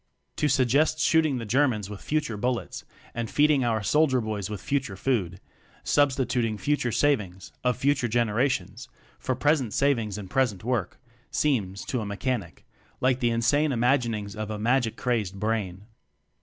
To suggest shooting the Germans with future bullets and feeding out soldier boys with future food substi tuting "future savings" (!) of future generations for present savings and present work, seems to a Mechanic like the insane imaginings of a magic crazed brain.